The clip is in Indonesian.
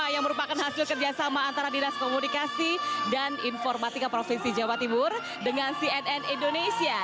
yang ketiga masalah upah dan sebagainya